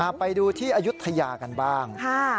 ไปดูที่อายุทยากันบ้าง